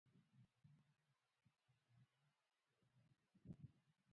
ازادي راډیو د ورزش بدلونونه څارلي.